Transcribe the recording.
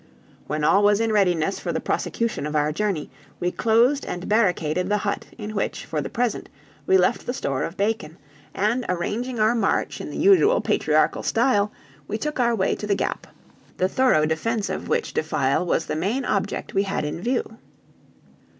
When all was in readiness for the prosecution of our journey, we closed and barricaded the hut, in which, for the present, we left the store of bacon; and arranging our march in the usual patriarchal style, we took our way to the Gap, the thorough defense of which defile was the main object we had in view.